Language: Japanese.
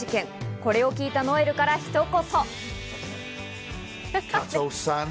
これを聞いたノエルからひと言。